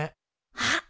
あっ！